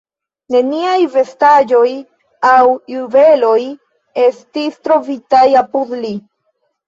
Neniaj vestaĵoj aŭ juveloj estis trovitaj apud li.